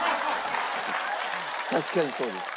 確かにそうです。